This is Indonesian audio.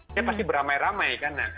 dia pasti beramai ramai kan